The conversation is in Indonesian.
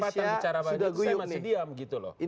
saya masih ada kesempatan bicara sama nt